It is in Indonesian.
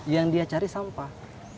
yang dia cari sampah